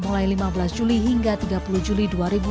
mulai lima belas juli hingga tiga puluh juli dua ribu dua puluh